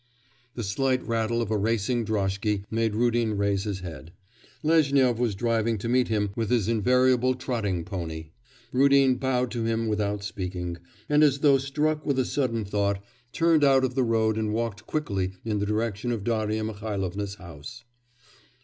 The slight rattle of a racing droshky made Rudin raise his head. Lezhnyov was driving to meet him with his invariable trotting pony. Rudin bowed to him without speaking, and as though struck with a sudden thought, turned out of the road and walked quickly in the direction of Darya Mihailovna's house.